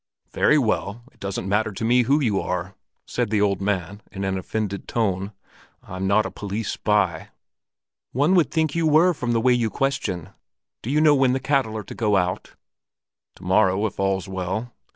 "Very well; it doesn't matter to me who you are!" said the old man in an offended tone. "I'm not a police spy." "One would think you were from the way you question. Do you know when the cattle are to go out?" "To morrow, if all's well.